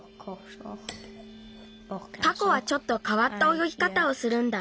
タコはちょっとかわったおよぎかたをするんだ。